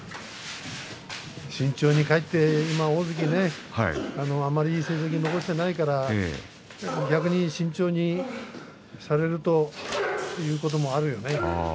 慎重に、今、大関あまりいい成績を残していないから逆に慎重にされるということもあるよね。